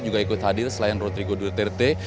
juga ikut hadir selain rodrigo duterte